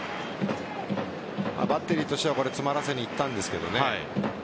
バッテリーとしては詰まらせにいったんですが。